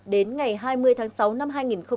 đến ngày hai mươi tháng sáu năm hai nghìn hai mươi